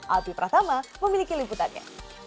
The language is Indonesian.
alpi pratama memiliki liputannya